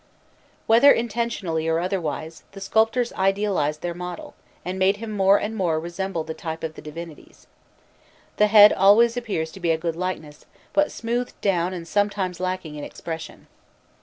Whether intentionally or otherwise, the sculptors idealized their model, and made him more and more resemble the type of the divinities. The head always appears to be a good likeness, but smoothed down and sometimes lacking in expression.